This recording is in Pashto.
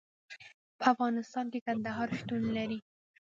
په افغانستان کې کندهار شتون لري.